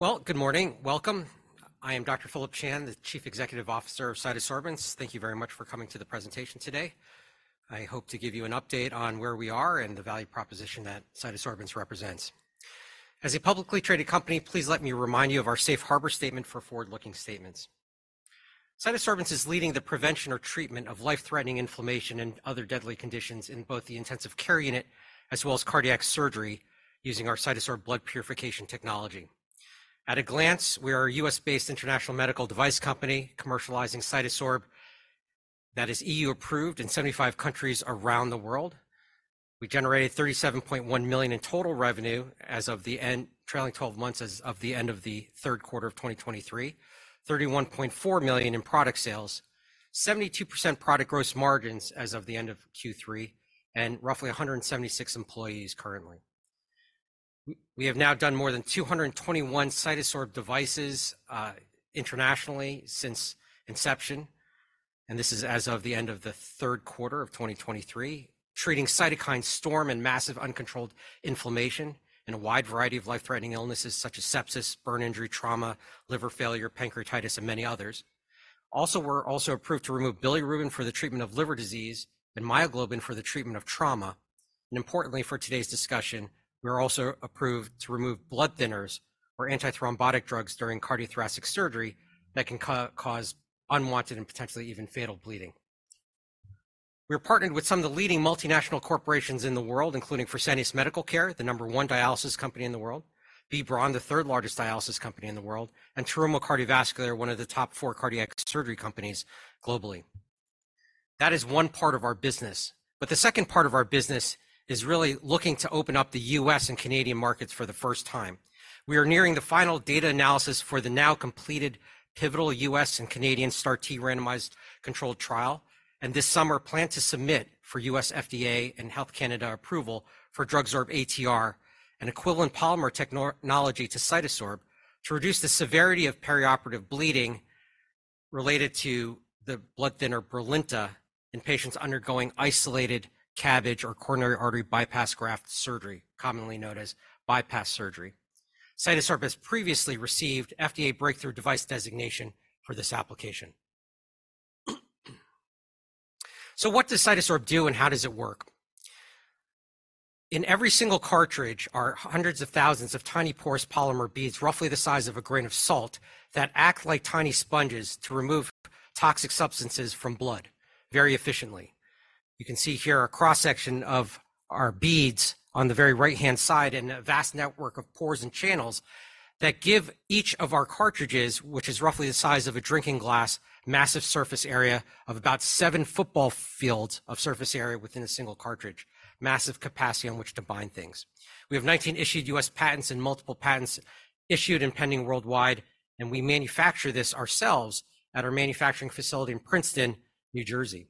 Well, good morning. Welcome. I am Dr. Phillip Chan, the Chief Executive Officer of CytoSorbents. Thank you very much for coming to the presentation today. I hope to give you an update on where we are and the value proposition that CytoSorbents represents. As a publicly traded company, please let me remind you of our Safe Harbor Statement for forward-looking statements. CytoSorbents is leading the prevention or treatment of life-threatening inflammation and other deadly conditions in both the intensive care unit as well as cardiac surgery, using our CytoSorb blood purification technology. At a glance, we are a U.S.-based international medical device company commercializing CytoSorb that is EU approved in 75 countries around the world. We generated $37.1 million in total revenue as of the end of the trailing twelve months as of the end of the third quarter of 2023, $31.4 million in product sales, 72% product gross margins as of the end of Q3, and roughly 176 employees currently. We have now done more than 221 CytoSorb devices internationally since inception, and this is as of the end of the third quarter of 2023, treating cytokine storm and massive uncontrolled inflammation in a wide variety of life-threatening illnesses such as sepsis, burn injury, trauma, liver failure, pancreatitis, and many others. Also, we're also approved to remove bilirubin for the treatment of liver disease and myoglobin for the treatment of trauma. And importantly, for today's discussion, we are also approved to remove blood thinners or antithrombotic drugs during cardiothoracic surgery that can cause unwanted and potentially even fatal bleeding. We are partnered with some of the leading multinational corporations in the world, including Fresenius Medical Care, the number one dialysis company in the world, B. Braun, the third-largest dialysis company in the world, and Terumo Cardiovascular, one of the top four cardiac surgery companies globally. That is one part of our business, but the second part of our business is really looking to open up the U.S. and Canadian markets for the first time. We are nearing the final data analysis for the now completed pivotal U.S. and Canadian STAR-T randomized controlled trial, and this summer, plan to submit for U.S. FDA and Health Canada approval for DrugSorb-ATR, an equivalent polymer technology to CytoSorb, to reduce the severity of perioperative bleeding related to the blood thinner, Brilinta, in patients undergoing isolated CABG or coronary artery bypass graft surgery, commonly known as bypass surgery. CytoSorb has previously received FDA Breakthrough Device Designation for this application. So what does CytoSorb do and how does it work? In every single cartridge are hundreds of thousands of tiny porous polymer beads, roughly the size of a grain of salt, that act like tiny sponges to remove toxic substances from blood very efficiently. You can see here a cross-section of our beads on the very right-hand side and a vast network of pores and channels that give each of our cartridges, which is roughly the size of a drinking glass, massive surface area of about seven football fields of surface area within a single cartridge. Massive capacity on which to bind things. We have 19 issued U.S. patents and multiple patents issued and pending worldwide, and we manufacture this ourselves at our manufacturing facility in Princeton, New Jersey.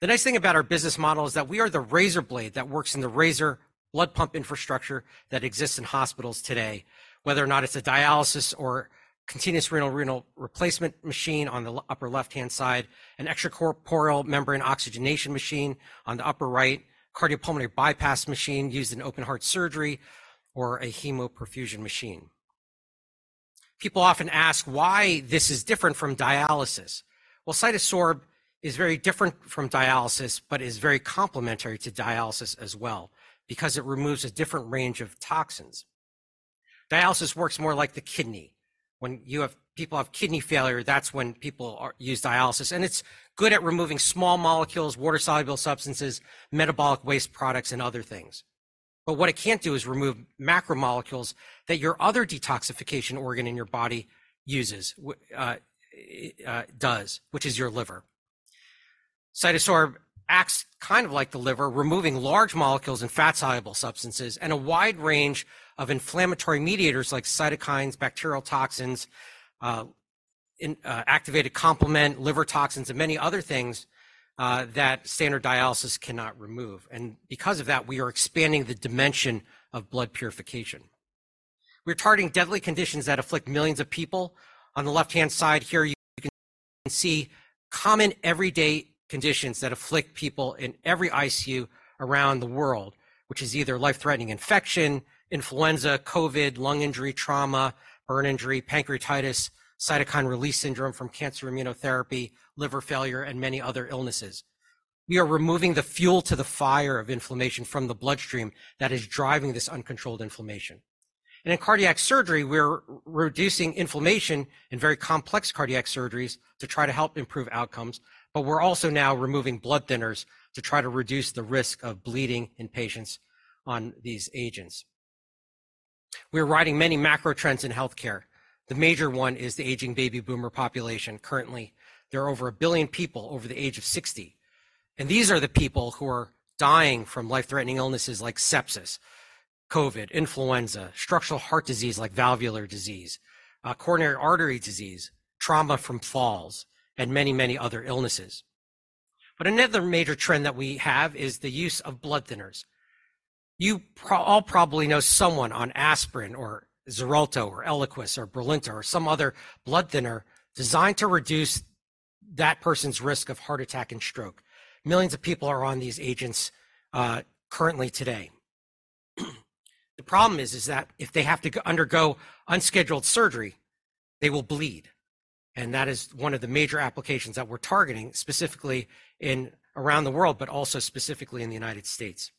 The nice thing about our business model is that we are the razor blade that works in the razor blood pump infrastructure that exists in hospitals today, whether or not it's a dialysis or continuous renal replacement machine on the upper left-hand side, an extracorporeal membrane oxygenation machine on the upper right, cardiopulmonary bypass machine used in open heart surgery, or a hemoperfusion machine. People often ask why this is different from dialysis. Well, CytoSorb is very different from dialysis, but is very complementary to dialysis as well because it removes a different range of toxins. Dialysis works more like the kidney. When people have kidney failure, that's when people use dialysis, and it's good at removing small molecules, water-soluble substances, metabolic waste products, and other things. But what it can't do is remove macromolecules that your other detoxification organ in your body uses, which is your liver. CytoSorb acts kind of like the liver, removing large molecules and fat-soluble substances and a wide range of inflammatory mediators like cytokines, bacterial toxins, and activated complement, liver toxins, and many other things that standard dialysis cannot remove. Because of that, we are expanding the dimension of blood purification. We're targeting deadly conditions that afflict millions of people. On the left-hand side here, you can see common everyday conditions that afflict people in every ICU around the world, which is either life-threatening infection, influenza, COVID, lung injury, trauma, burn injury, pancreatitis, cytokine release syndrome from cancer immunotherapy, liver failure, and many other illnesses. We are removing the fuel to the fire of inflammation from the bloodstream that is driving this uncontrolled inflammation. In cardiac surgery, we're reducing inflammation in very complex cardiac surgeries to try to help improve outcomes, but we're also now removing blood thinners to try to reduce the risk of bleeding in patients on these agents. We are riding many macro trends in healthcare. The major one is the aging baby boomer population. Currently, there are over 1 billion people over the age of 60, and these are the people who are dying from life-threatening illnesses like sepsis, COVID, influenza, structural heart disease like valvular disease, coronary artery disease, trauma from falls, and many, many other illnesses. But another major trend that we have is the use of blood thinners. You probably all know someone on aspirin or Xarelto or Eliquis or Brilinta or some other blood thinner designed to reduce that person's risk of heart attack and stroke. Millions of people are on these agents currently today. The problem is that if they have to undergo unscheduled surgery, they will bleed, and that is one of the major applications that we're targeting, specifically around the world, but also specifically in the United States.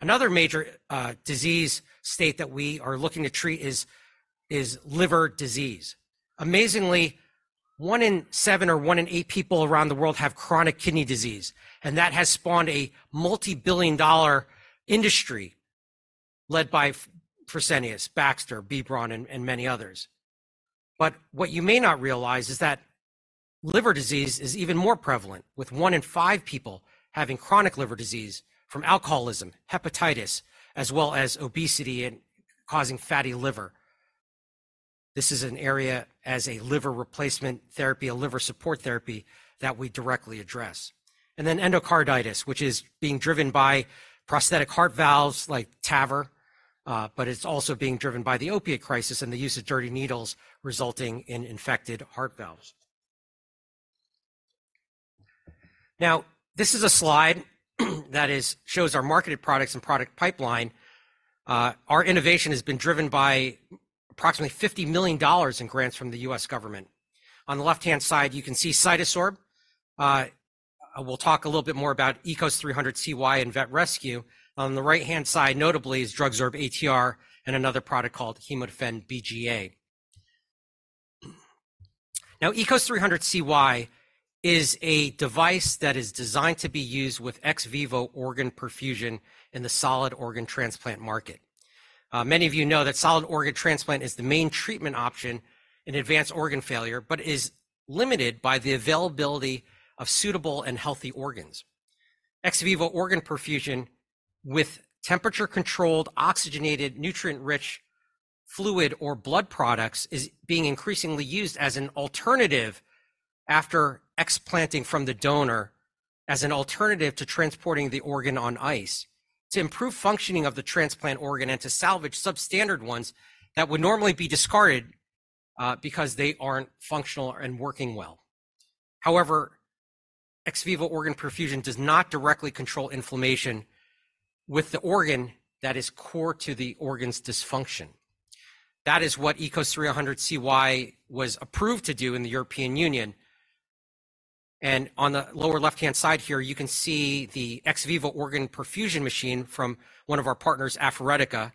Another major disease state that we are looking to treat is liver disease. Amazingly, one in seven or one in eight people around the world have chronic kidney disease, and that has spawned a multi-billion-dollar industry led by Fresenius, Baxter, B. Braun, and many others. But what you may not realize is that liver disease is even more prevalent, with one in five people having chronic liver disease from alcoholism, hepatitis, as well as obesity and causing fatty liver. This is an area as a liver replacement therapy, a liver support therapy, that we directly address. And then endocarditis, which is being driven by prosthetic heart valves like TAVR, but it's also being driven by the opiate crisis and the use of dirty needles, resulting in infected heart valves. Now, this is a slide that shows our marketed products and product pipeline. Our innovation has been driven by approximately $50 million in grants from the U.S. government. On the left-hand side, you can see CytoSorb. We'll talk a little bit more about ECOS-300CY and VetResQ. On the right-hand side, notably, is DrugSorb-ATR and another product called HemoDefend-BGA. Now, ECOS-300CY is a device that is designed to be used with ex vivo organ perfusion in the solid organ transplant market. Many of you know that solid organ transplant is the main treatment option in advanced organ failure, but is limited by the availability of suitable and healthy organs. Ex vivo organ perfusion with temperature-controlled, oxygenated, nutrient-rich fluid or blood products is being increasingly used as an alternative after explanting from the donor, as an alternative to transporting the organ on ice, to improve functioning of the transplant organ and to salvage substandard ones that would normally be discarded, because they aren't functional and working well. However, ex vivo organ perfusion does not directly control inflammation with the organ that is core to the organ's dysfunction. That is what ECOS-300CY was approved to do in the European Union. On the lower left-hand side here, you can see the ex vivo organ perfusion machine from one of our partners, Aferetica,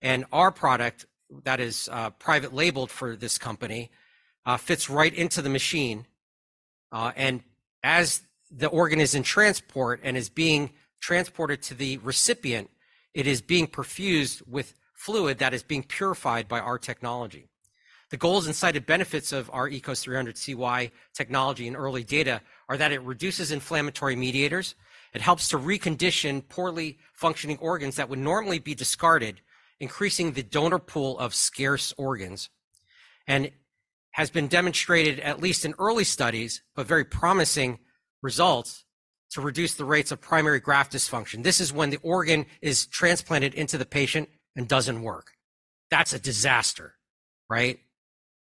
and our product, that is, private labeled for this company, fits right into the machine. And as the organ is in transport and is being transported to the recipient, it is being perfused with fluid that is being purified by our technology. The goals and cited benefits of our ECOS-300CY technology in early data are that it reduces inflammatory mediators, it helps to recondition poorly functioning organs that would normally be discarded, increasing the donor pool of scarce organs, and has been demonstrated, at least in early studies, but very promising results, to reduce the rates of primary graft dysfunction. This is when the organ is transplanted into the patient and doesn't work. That's a disaster, right?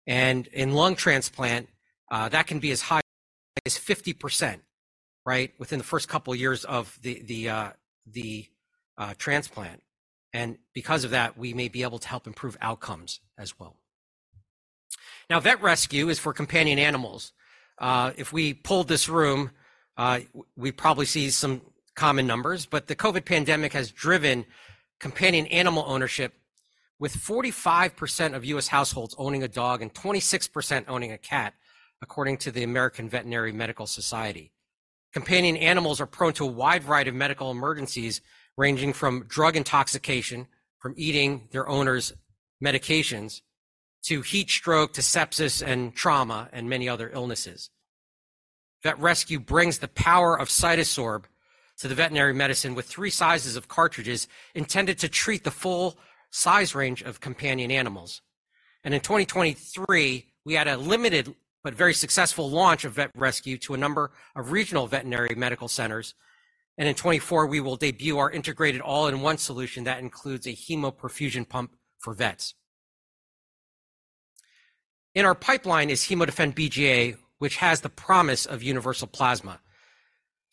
In lung transplant, that can be as high as 50%, right, within the first couple of years of the transplant. And because of that, we may be able to help improve outcomes as well. Now, VetResQ is for companion animals. If we polled this room, we'd probably see some common numbers, but the COVID pandemic has driven companion animal ownership, with 45% of U.S. households owning a dog and 26% owning a cat, according to the American Veterinary Medical Association. Companion animals are prone to a wide variety of medical emergencies, ranging from drug intoxication, from eating their owner's medications, to heatstroke, to sepsis and trauma, and many other illnesses. VetResQ brings the power of CytoSorb to the veterinary medicine with three sizes of cartridges intended to treat the full size range of companion animals. In 2023, we had a limited but very successful launch of VetResQ to a number of regional veterinary medical centers, and in 2024, we will debut our integrated all-in-one solution that includes a hemoperfusion pump for vets. In our pipeline is HemoDefend-BGA, which has the promise of universal plasma.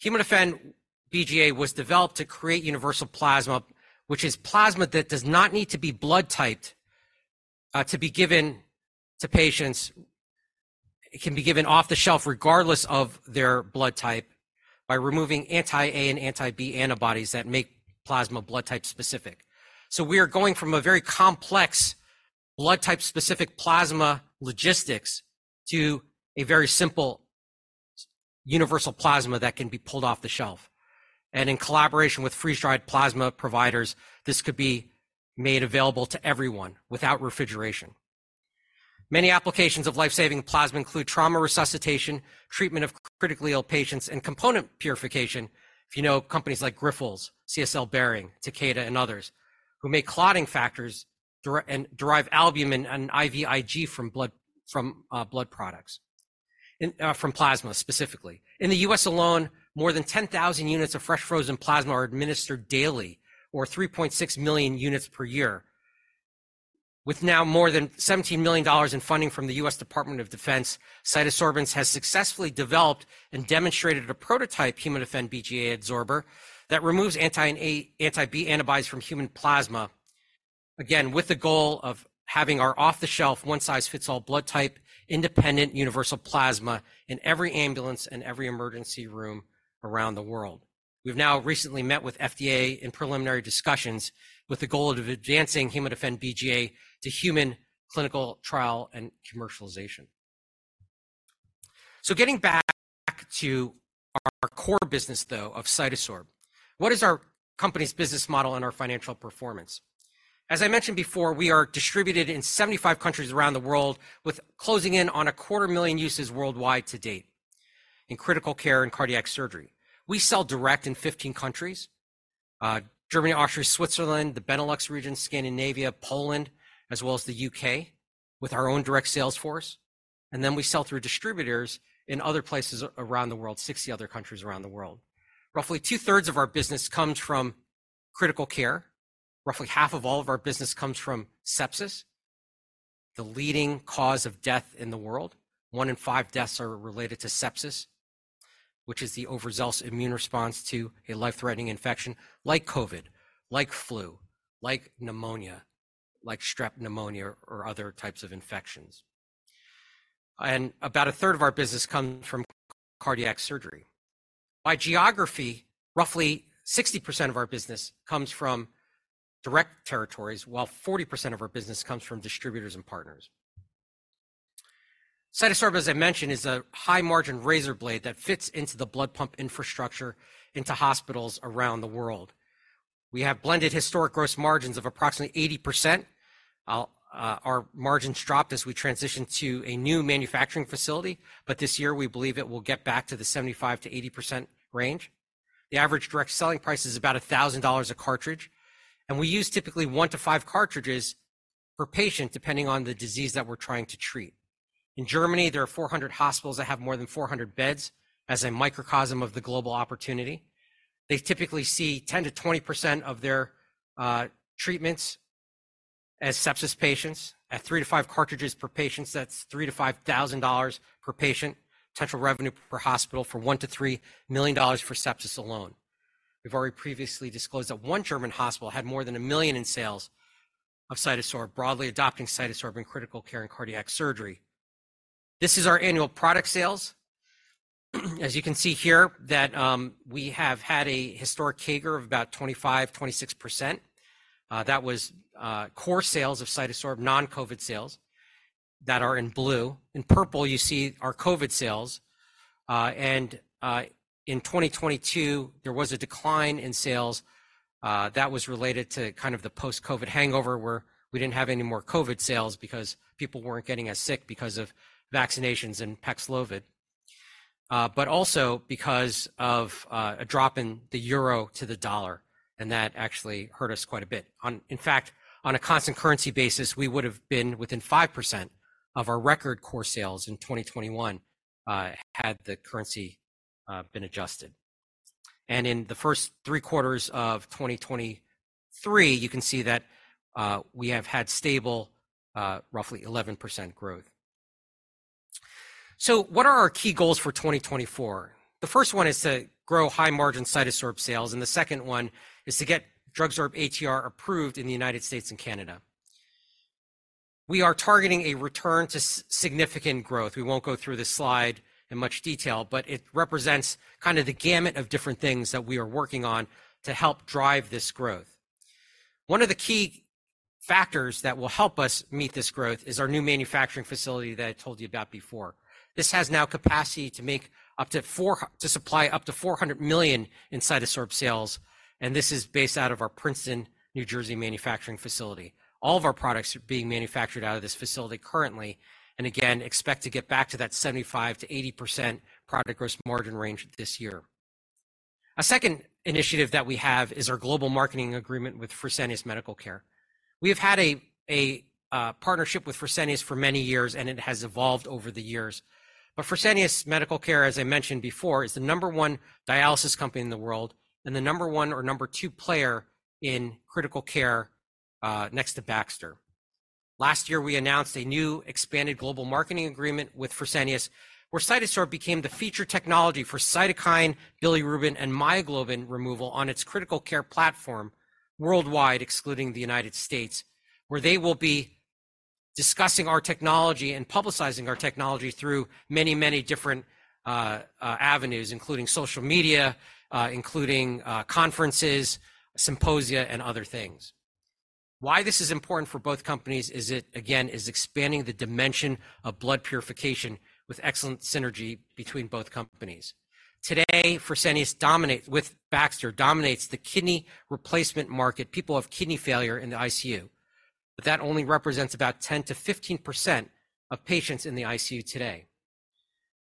HemoDefend-BGA was developed to create universal plasma, which is plasma that does not need to be blood typed, to be given to patients. It can be given off the shelf regardless of their blood type by removing anti-A and anti-B antibodies that make plasma blood type specific. So we are going from a very complex blood type-specific plasma logistics to a very simple universal plasma that can be pulled off the shelf. And in collaboration with freeze-dried plasma providers, this could be made available to everyone without refrigeration. Many applications of life-saving plasma include trauma resuscitation, treatment of critically ill patients, and component purification, if you know companies like Grifols, CSL Behring, Takeda, and others, who make clotting factors and derive albumin and IVIG from blood, from blood products, and from plasma, specifically. In the U.S. alone, more than 10,000 units of fresh frozen plasma are administered daily, or 3.6 million units per year. With now more than $17 million in funding from the U.S. Department of Defense, CytoSorbents has successfully developed and demonstrated a prototype HemoDefend-BGA adsorber that removes anti-A and anti-B antibodies from human plasma. Again, with the goal of having our off-the-shelf, one-size-fits-all blood type, independent universal plasma in every ambulance and every emergency room around the world. We've now recently met with FDA in preliminary discussions with the goal of advancing HemoDefend-BGA to human clinical trial and commercialization. So getting back to our core business, though, of CytoSorb, what is our company's business model and our financial performance? As I mentioned before, we are distributed in 75 countries around the world, with closing in on 250,000 uses worldwide to date in critical care and cardiac surgery. We sell direct in 15 countries, Germany, Austria, Switzerland, the Benelux region, Scandinavia, Poland, as well as the U.K., with our own direct sales force. And then we sell through distributors in other places around the world, 60 other countries around the world. Roughly two-thirds of our business comes from critical care. Roughly half of all of our business comes from sepsis, the leading cause of death in the world. one in five deaths are related to sepsis, which is the overzealous immune response to a life-threatening infection like COVID, like flu, like pneumonia, like strep pneumonia or other types of infections. About a third of our business comes from cardiac surgery. By geography, roughly 60% of our business comes from direct territories, while 40% of our business comes from distributors and partners. CytoSorb, as I mentioned, is a high-margin razor blade that fits into the blood pump infrastructure into hospitals around the world. We have blended historic gross margins of approximately 80%. Our, our margins dropped as we transitioned to a new manufacturing facility, but this year we believe it will get back to the 75%-80% range. The average direct selling price is about $1,000 a cartridge, and we use typically 1-5 cartridges per patient, depending on the disease that we're trying to treat. In Germany, there are 400 hospitals that have more than 400 beds as a microcosm of the global opportunity. They typically see 10%-20% of their treatments as sepsis patients. At 3-5 cartridges per patient, that's $3,000-$5,000 per patient. Potential revenue per hospital for $1 million-$3 million for sepsis alone. We've already previously disclosed that one German hospital had more than $1 million in sales of CytoSorb, broadly adopting CytoSorb in critical care and cardiac surgery. This is our annual product sales. As you can see here, that we have had a historic CAGR of about 25%-26%. That was core sales of CytoSorb, non-COVID sales that are in blue. In purple, you see our COVID sales. In 2022, there was a decline in sales that was related to kind of the post-COVID hangover, where we didn't have any more COVID sales because people weren't getting as sick because of vaccinations and Paxlovid, but also because of a drop in the euro to the dollar, and that actually hurt us quite a bit. In fact, on a constant currency basis, we would have been within 5% of our record core sales in 2021, had the currency been adjusted. In the first three quarters of 2023, you can see that we have had stable, roughly 11% growth. So what are our key goals for 2024? The first one is to grow high-margin CytoSorb sales, and the second one is to get DrugSorb-ATR approved in the United States and Canada. We are targeting a return to significant growth. We won't go through this slide in much detail, but it represents kind of the gamut of different things that we are working on to help drive this growth. One of the key factors that will help us meet this growth is our new manufacturing facility that I told you about before. This has now capacity to make up to four to supply up to $400 million in CytoSorb sales, and this is based out of our Princeton, New Jersey, manufacturing facility. All of our products are being manufactured out of this facility currently, and again, expect to get back to that 75%-80% product gross margin range this year. A second initiative that we have is our global marketing agreement with Fresenius Medical Care. We have had a partnership with Fresenius for many years, and it has evolved over the years. But Fresenius Medical Care, as I mentioned before, is the number one dialysis company in the world and the number one or number two player in critical care, next to Baxter. Last year, we announced a new expanded global marketing agreement with Fresenius, where CytoSorb became the feature technology for cytokine, bilirubin, and myoglobin removal on its critical care platform worldwide, excluding the United States, where they will be discussing our technology and publicizing our technology through many, many different avenues, including social media, including conferences, symposia, and other things. Why this is important for both companies is it, again, is expanding the dimension of blood purification with excellent synergy between both companies. Today, Fresenius, with Baxter, dominates the kidney replacement market, people with kidney failure in the ICU, but that only represents about 10%-15% of patients in the ICU today.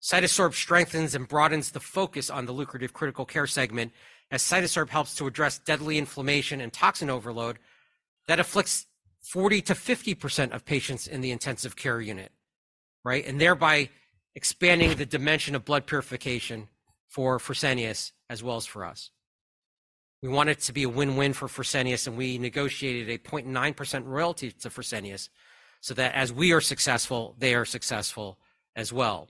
CytoSorb strengthens and broadens the focus on the lucrative critical care segment, as CytoSorb helps to address deadly inflammation and toxin overload that afflicts 40%-50% of patients in the intensive care unit, right? And thereby expanding the dimension of blood purification for Fresenius as well as for us. We want it to be a win-win for Fresenius, and we negotiated a 0.9% royalty to Fresenius, so that as we are successful, they are successful as well.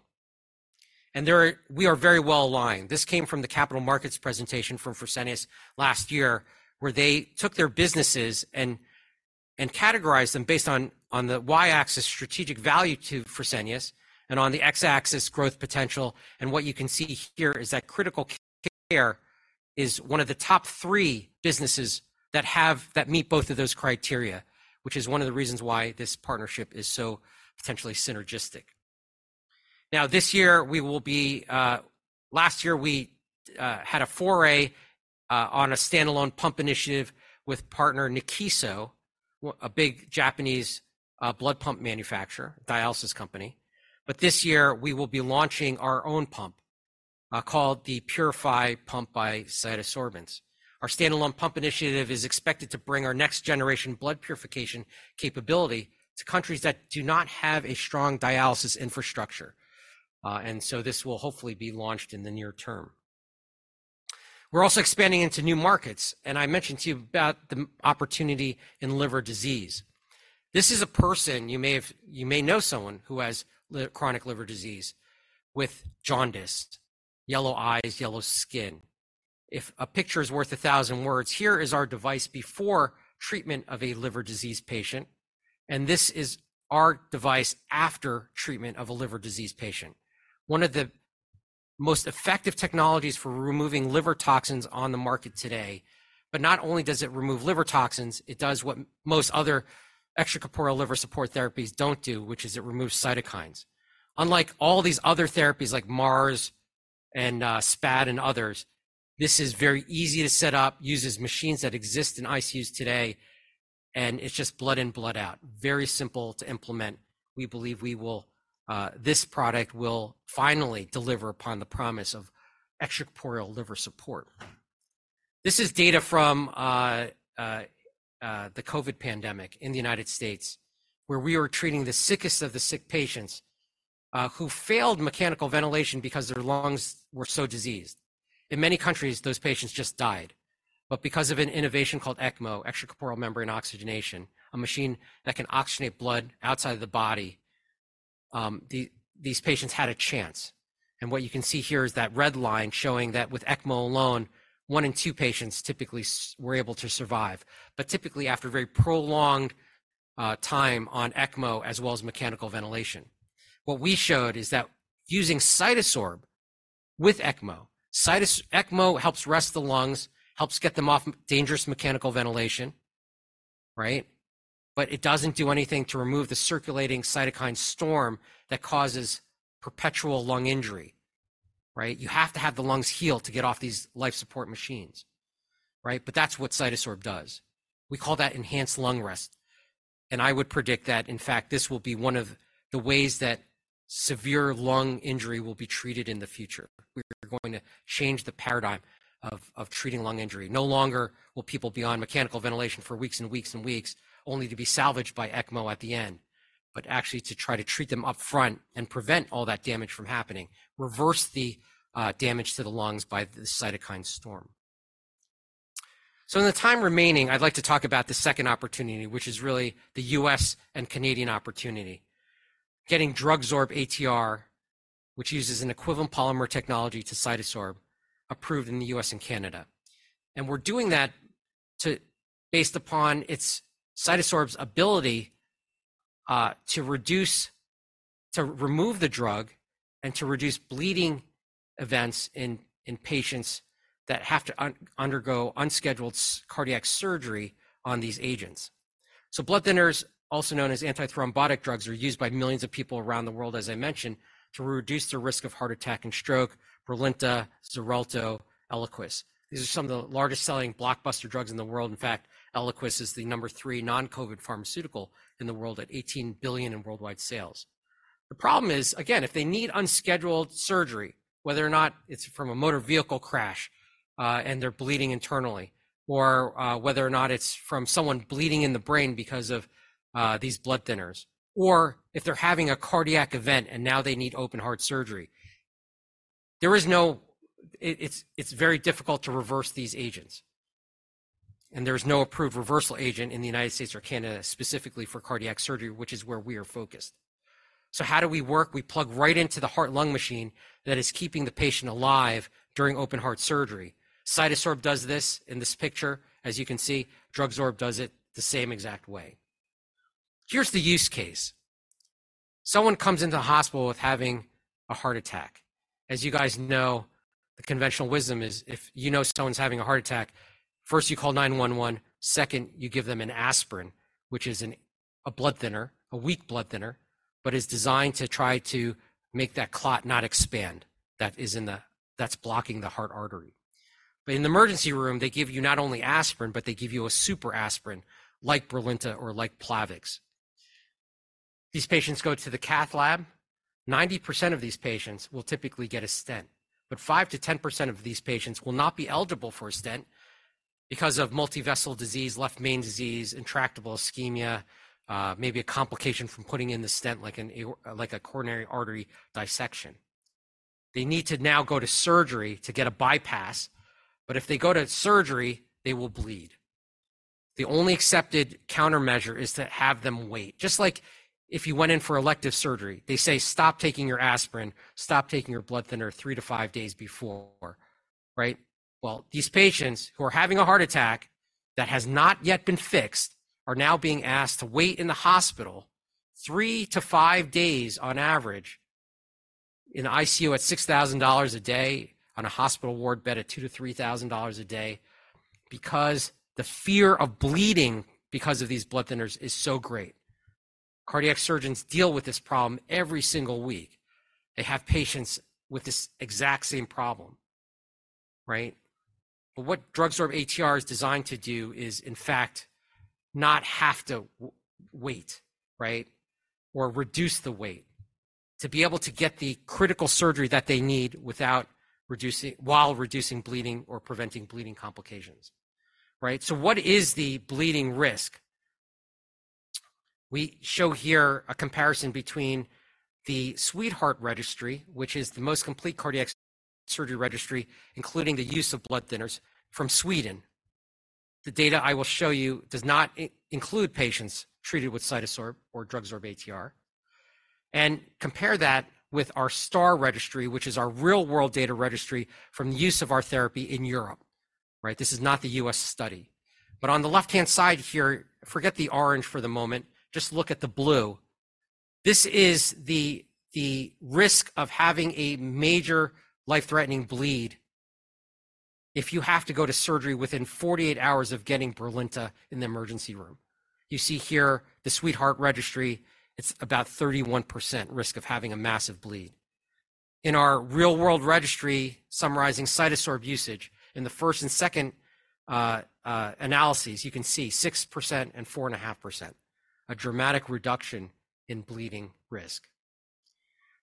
And they're, we are very well aligned. This came from the capital markets presentation from Fresenius last year, where they took their businesses and categorized them based on the Y-axis strategic value to Fresenius and on the X-axis growth potential. What you can see here is that critical care is one of the top three businesses that meet both of those criteria, which is one of the reasons why this partnership is so potentially synergistic. Now, this year, we will be last year, we had a foray on a standalone pump initiative with partner Nikkiso, a big Japanese blood pump manufacturer, dialysis company. But this year, we will be launching our own pump called the PuriFi Pump by CytoSorbents. Our standalone pump initiative is expected to bring our next-generation blood purification capability to countries that do not have a strong dialysis infrastructure. So this will hopefully be launched in the near term. We're also expanding into new markets, and I mentioned to you about the opportunity in liver disease. This is a person you may know someone who has chronic liver disease with jaundice, yellow eyes, yellow skin. If a picture is worth a thousand words, here is our device before treatment of a liver disease patient, and this is our device after treatment of a liver disease patient. One of the most effective technologies for removing liver toxins on the market today, but not only does it remove liver toxins, it does what most other extracorporeal liver support therapies don't do, which is it removes cytokines. Unlike all these other therapies like MARS and SPAD and others, this is very easy to set up, uses machines that exist in ICUs today, and it's just blood in, blood out. Very simple to implement. We believe we will—this product will finally deliver upon the promise of extracorporeal liver support. This is data from the COVID pandemic in the United States, where we were treating the sickest of the sick patients who failed mechanical ventilation because their lungs were so diseased. In many countries, those patients just died. But because of an innovation called ECMO, extracorporeal membrane oxygenation, a machine that can oxygenate blood outside of the body, these patients had a chance. What you can see here is that red line showing that with ECMO alone, one in two patients typically were able to survive, but typically after a very prolonged time on ECMO as well as mechanical ventilation. What we showed is that using CytoSorb with ECMO, ECMO helps rest the lungs, helps get them off dangerous mechanical ventilation, right? But it doesn't do anything to remove the circulating cytokine storm that causes perpetual lung injury, right? You have to have the lungs heal to get off these life support machines, right? But that's what CytoSorb does. We call that enhanced lung rest, and I would predict that, in fact, this will be one of the ways that severe lung injury will be treated in the future. We are going to change the paradigm of treating lung injury. No longer will people be on mechanical ventilation for weeks and weeks and weeks, only to be salvaged by ECMO at the end, but actually to try to treat them upfront and prevent all that damage from happening, reverse the damage to the lungs by the cytokine storm. So in the time remaining, I'd like to talk about the second opportunity, which is really the U.S. and Canadian opportunity: getting DrugSorb-ATR, which uses an equivalent polymer technology to CytoSorb, approved in the U.S. and Canada. And we're doing that based upon its CytoSorb's ability to remove the drug and to reduce bleeding events in patients that have to undergo unscheduled cardiac surgery on these agents. So blood thinners, also known as antithrombotic drugs, are used by millions of people around the world, as I mentioned, to reduce the risk of heart attack and stroke, Brilinta, Xarelto, Eliquis. These are some of the largest-selling blockbuster drugs in the world. In fact, Eliquis is the number three non-COVID pharmaceutical in the world at $18 billion in worldwide sales. The problem is, again, if they need unscheduled surgery, whether or not it's from a motor vehicle crash, and they're bleeding internally, or whether or not it's from someone bleeding in the brain because of these blood thinners, or if they're having a cardiac event and now they need open heart surgery, there is no. It's very difficult to reverse these agents, and there is no approved reversal agent in the United States or Canada, specifically for cardiac surgery, which is where we are focused. So how do we work? We plug right into the heart-lung machine that is keeping the patient alive during open heart surgery. CytoSorb does this in this picture. As you can see, DrugSorb does it the same exact way. Here's the use case. Someone comes into the hospital with having a heart attack. As you guys know, the conventional wisdom is if you know someone's having a heart attack, first, you call nine one one. Second, you give them an aspirin, which is an a blood thinner, a weak blood thinner, but is designed to try to make that clot not expand, that is in the-- that's blocking the heart artery. But in the emergency room, they give you not only aspirin, but they give you a super aspirin like Brilinta or like Plavix. These patients go to the cath lab. 90% of these patients will typically get a stent, but 5%-10% of these patients will not be eligible for a stent because of multi-vessel disease, left main disease, intractable ischemia, maybe a complication from putting in the stent like a coronary artery dissection. They need to now go to surgery to get a bypass, but if they go to surgery, they will bleed. The only accepted countermeasure is to have them wait. Just like if you went in for elective surgery, they say, "Stop taking your aspirin. Stop taking your blood thinner 3-5 days before." Right? Well, these patients who are having a heart attack that has not yet been fixed are now being asked to wait in the hospital 3-5 days on average, in ICU at $6,000 a day, on a hospital ward bed at $2,000-$3,000 a day, because the fear of bleeding because of these blood thinners is so great. Cardiac surgeons deal with this problem every single week. They have patients with this exact same problem, right? But what DrugSorb-ATR is designed to do is, in fact, not have to wait, right? Or reduce the wait, to be able to get the critical surgery that they need without reducing... while reducing bleeding or preventing bleeding complications. Right? So what is the bleeding risk? We show here a comparison between the SWEDEHEART, which is the most complete cardiac surgery registry, including the use of blood thinners from Sweden. The data I will show you does not include patients treated with CytoSorb or DrugSorb-ATR, and compare that with our STAR Registry, which is our real-world data registry from the use of our therapy in Europe. Right? This is not the U.S. study. But on the left-hand side here, forget the orange for the moment, just look at the blue. This is the risk of having a major life-threatening bleed if you have to go to surgery within 48 hours of getting Brilinta in the emergency room. You see here, the SWEDEHEART Registry, it's about 31% risk of having a massive bleed. In our real-world registry, summarizing CytoSorb usage in the first and second analyses, you can see 6% and 4.5%, a dramatic reduction in bleeding risk.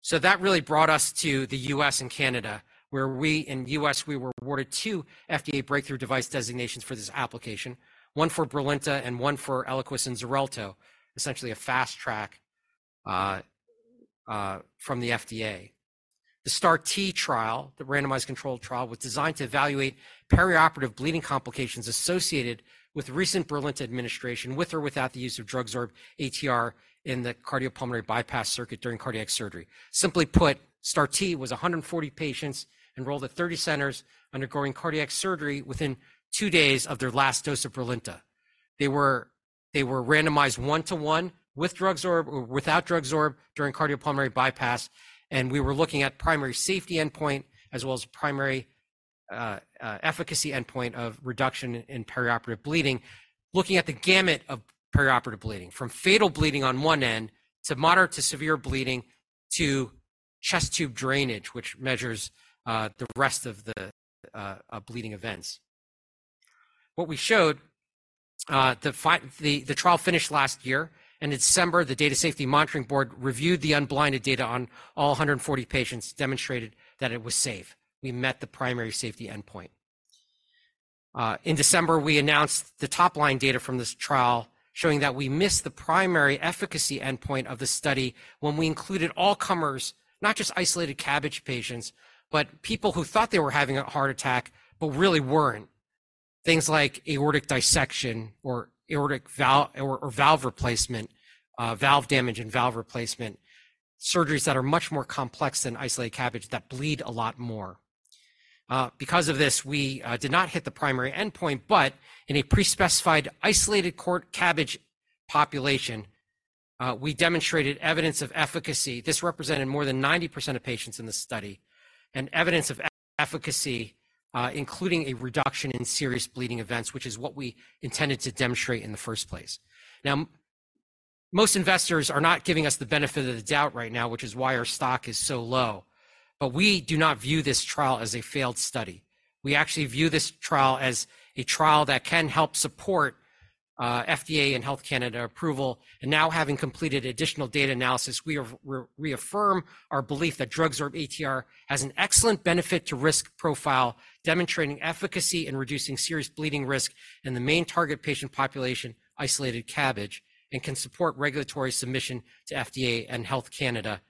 So that really brought us to the U.S. and Canada, where we, in the U.S., we were awarded two FDA breakthrough device designations for this application, one for Brilinta and one for Eliquis and Xarelto, essentially a fast track from the FDA. The STAR-T trial, the randomized controlled trial, was designed to evaluate perioperative bleeding complications associated with recent Brilinta administration, with or without the use of DrugSorb-ATR in the cardiopulmonary bypass circuit during cardiac surgery. Simply put, STAR-T was 140 patients enrolled at 30 centers undergoing cardiac surgery within two days of their last dose of Brilinta. They were randomized one to one with DrugSorb or without DrugSorb during cardiopulmonary bypass, and we were looking at primary safety endpoint, as well as primary efficacy endpoint of reduction in perioperative bleeding, looking at the gamut of perioperative bleeding, from fatal bleeding on one end to moderate to severe bleeding, to chest tube drainage, which measures the rest of the bleeding events. What we showed, the trial finished last year, and in December, the Data Safety Monitoring Board reviewed the unblinded data on all 140 patients, demonstrated that it was safe. We met the primary safety endpoint. In December, we announced the top-line data from this trial, showing that we missed the primary efficacy endpoint of the study when we included all comers, not just isolated CABG patients, but people who thought they were having a heart attack, but really weren't. Things like aortic dissection or aortic valve, or valve replacement, valve damage and valve replacement, surgeries that are much more complex than isolated CABG that bleed a lot more. Because of this, we did not hit the primary endpoint, but in a pre-specified isolated CABG population, we demonstrated evidence of efficacy. This represented more than 90% of patients in this study, and evidence of efficacy, including a reduction in serious bleeding events, which is what we intended to demonstrate in the first place. Now, most investors are not giving us the benefit of the doubt right now, which is why our stock is so low, but we do not view this trial as a failed study. We actually view this trial as a trial that can help support FDA and Health Canada approval, and now having completed additional data analysis, we are reaffirm our belief that DrugSorb-ATR has an excellent benefit to risk profile, demonstrating efficacy and reducing serious bleeding risk in the main target patient population, isolated CABG, and can support regulatory submission to FDA and Health Canada.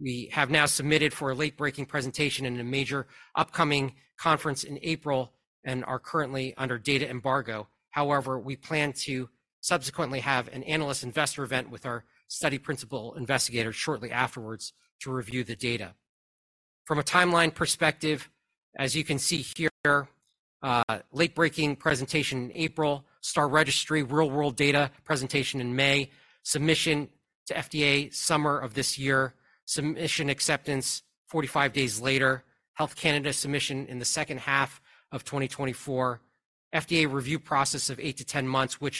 We have now submitted for a late-breaking presentation in a major upcoming conference in April and are currently under data embargo. However, we plan to subsequently have an analyst investor event with our study principal investigator shortly afterwards to review the data. From a timeline perspective, as you can see here, late-breaking presentation in April, STAR Registry, real-world data presentation in May, submission to FDA, summer of this year, submission acceptance 45 days later, Health Canada submission in the second half of 2024, FDA review process of 8-10 months, we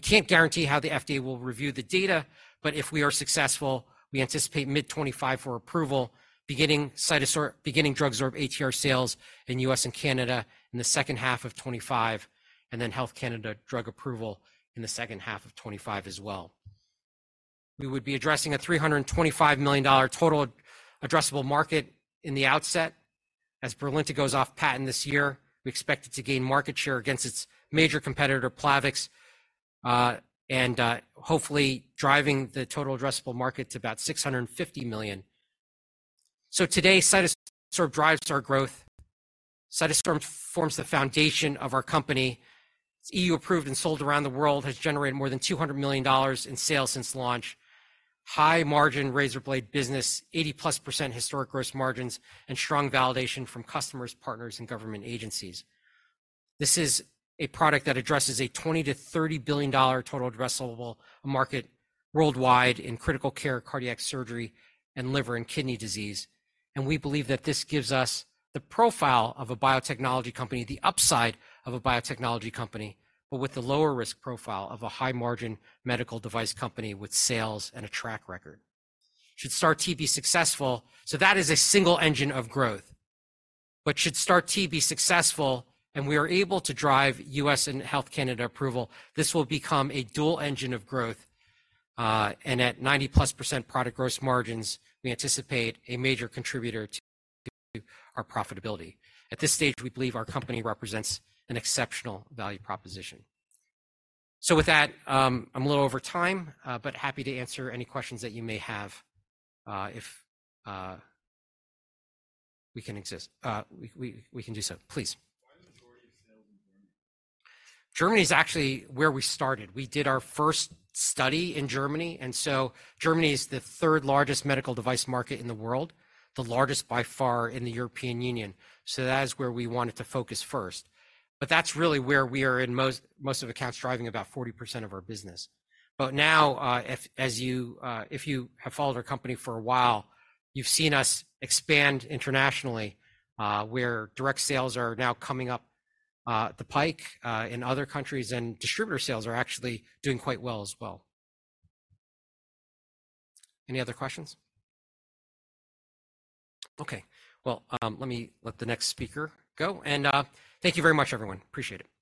can't guarantee how the FDA will review the data, but if we are successful, we anticipate mid-2025 for approval, beginning CytoSorb, beginning DrugSorb-ATR sales in U.S. and Canada in the second half of 2025, and then Health Canada drug approval in the second half of 2025 as well. We would be addressing a $325 million total addressable market in the outset. As Brilinta goes off patent this year, we expect it to gain market share against its major competitor, Plavix, and hopefully driving the total addressable market to about $650 million. So today, CytoSorb drives our growth. CytoSorb forms the foundation of our company. It's EU approved and sold around the world, has generated more than $200 million in sales since launch. High-margin razor blade business, 80%+ historic gross margins, and strong validation from customers, partners, and government agencies. This is a product that addresses a $20 billion-$30 billion total addressable market worldwide in critical care, cardiac surgery, and liver and kidney disease. And we believe that this gives us the profile of a biotechnology company, the upside of a biotechnology company, but with the lower risk profile of a high-margin medical device company with sales and a track record. Should STAR-T be successful. So that is a single engine of growth. But should STAR-T be successful, and we are able to drive U.S. and Health Canada approval, this will become a dual engine of growth, and at 90+% product gross margins, we anticipate a major contributor to our profitability. At this stage, we believe our company represents an exceptional value proposition. So with that, I'm a little over time, but happy to answer any questions that you may have, if we can exist. We can do so. Please. Why the majority of sales in Germany? Germany is actually where we started. We did our first study in Germany, and so Germany is the third largest medical device market in the world, the largest by far in the European Union. So that is where we wanted to focus first. But that's really where we are in most of accounts, driving about 40% of our business. But now, if you have followed our company for a while, you've seen us expand internationally, where direct sales are now coming up the pike in other countries, and distributor sales are actually doing quite well as well. Any other questions? Okay. Well, let me let the next speaker go, and thank you very much, everyone. Appreciate it!